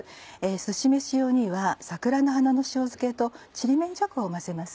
すし飯用には桜の花の塩漬けとちりめんじゃこを混ぜます。